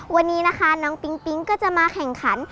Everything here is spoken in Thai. วันนี้นะคะน้องปิ๊งปิ๊งก็จะมาแข่งขัน